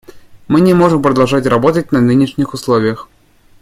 Мы не можем продолжать работать на нынешних условиях.